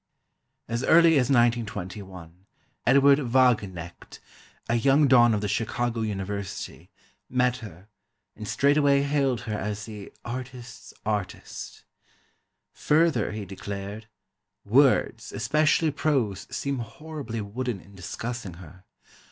As early as 1921, Edward Wagenknecht, a young don of the Chicago University, met her, and straightway hailed her as the "artist's artist." Further he declared: "Words, especially prose, seem horribly wooden in discussing her....